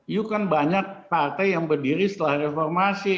you kan banyak partai yang berdiri setelah reformasi